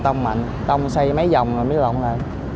dạ tông mạnh tông xây mấy vòng rồi mới lộn lại